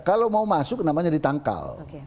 kalau mau masuk namanya ditangkal